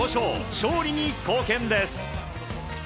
勝利に貢献です。